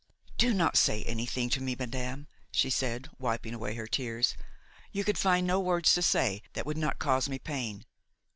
"Do not say anything to me, madame," she said, wiping away her tears; "you could find no words to say that would not cause me pain.